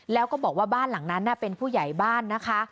แล้วก็บอกว่าบ้านหลังนั้นเป็นผู้ใหญ่บ้านนะคะ